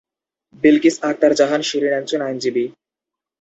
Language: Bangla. বিলকিস আক্তার জাহান শিরিন একজন আইনজীবী।